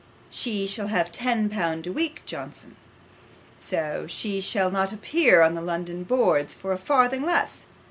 She shall have ten pound a week, Johnson; she shall not appear on the London boards for a farthing less.